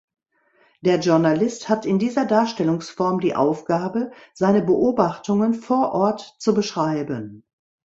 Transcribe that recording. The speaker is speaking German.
Der Journalist hat in dieser Darstellungsform die Aufgabe, seine Beobachtungen vor Ort zu beschreiben.